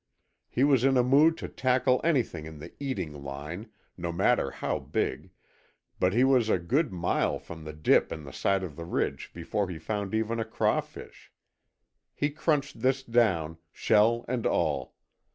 He was in a mood to tackle anything in the eating line, no matter how big, but he was a good mile from the dip in the side of the ridge before he found even a crawfish. He crunched this down, shell and all.